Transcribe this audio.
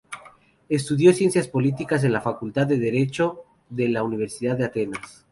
Estudió ciencias políticas en la facultad de derecho de la Universidad de Atenas.